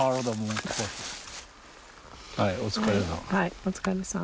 はいお疲れさん。